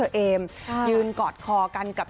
เพราะว่ามันพี่ตอบเด็กทั้ง๒๙คนไม่ได้